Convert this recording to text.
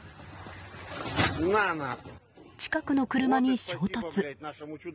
近くの車に衝突。